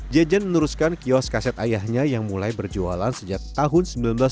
jajan meneruskan kios kaset ayahnya yang mulai berjualan sejak tahun seribu sembilan ratus sembilan puluh